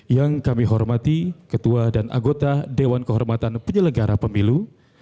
yang kami hormati ketua dan anggota dewan kehormatan penyelenggara pemilu